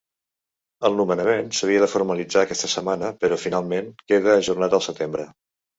El nomenament s’havia de formalitzar aquesta setmana, però finalment queda ajornat al setembre.